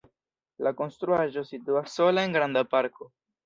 La konstruaĵo situas sola en granda parko.